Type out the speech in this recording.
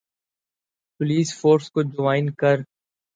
police force کو join کر